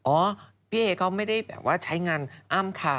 เอ๋พี่เอเขาไม่ได้แบบว่าใช้งานอ้าวมค่า